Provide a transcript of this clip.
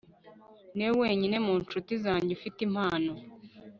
niwe wenyine mu nshuti zanjye ufite impano